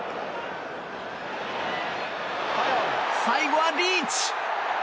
最後はリーチ！